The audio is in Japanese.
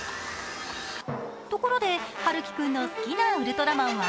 ところで、陽喜君の好きなウルトラマンは？